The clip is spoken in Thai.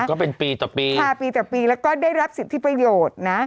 ก็เป็นปีต่อปี๕ปีต่อปีแล้วก็ได้รับสิทธิประโยชน์นะ